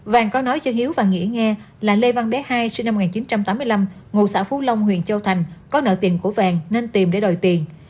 vàng có nói cho hiếu và nghĩa nghe là lê văn bé hai sinh năm một nghìn chín trăm tám mươi năm ngụ xã phú long huyện châu thành có nợ tiền của vàng nên tìm để đòi tiền